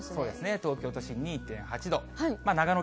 東京都心２．８度。